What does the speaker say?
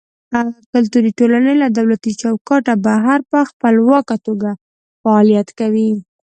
کلتوري ټولنې له دولتي چوکاټه بهر په خپلواکه توګه فعالیت کوي.